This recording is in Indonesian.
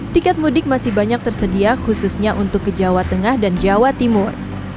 tiket mudik masih banyak tersedia khususnya untuk ke jawa tengah dan jawa timur